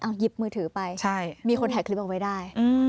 นี่ยิบมือถือไปมีคนแถกคลิปไปได้ใช่